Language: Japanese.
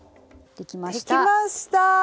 できました！